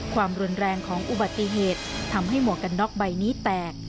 ความรุนแรงของอุบัติเหตุทำให้หมวกกันน็อกใบนี้แตก